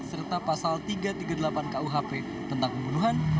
serta pasal tiga ratus tiga puluh delapan kuhp tentang pembunuhan